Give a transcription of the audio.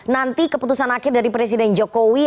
nanti keputusan akhir dari presiden jokowi